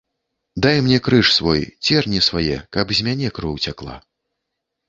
Дай мне крыж свой, церні свае, каб з мяне кроў цякла.